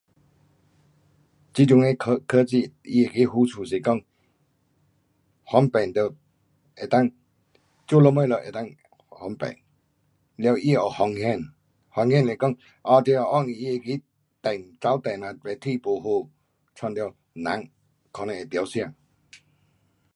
这阵的科，科技，它那个好处是讲方便得能够，做什么都能够方便，完，它有风险，风险是讲，哦你若它那个跑电咯，嘞天不好，弄到人，可能会中伤。